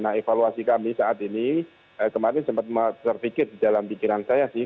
nah evaluasi kami saat ini kemarin sempat terpikir di dalam pikiran saya sih